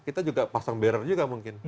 kita juga pasang barrer juga mungkin